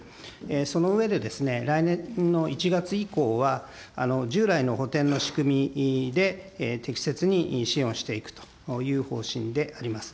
その上で、来年の１月以降は、従来の補填の仕組みで適切に支援をしていくという方針であります。